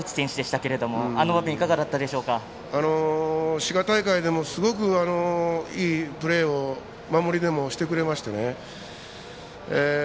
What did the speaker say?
滋賀大会でもすごくいいプレーを守りでもしてくれましてね。